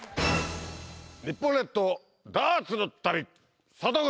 日本列島ダーツの旅佐藤君！